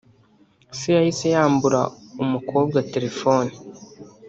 se yahise yambura umukobwa telefone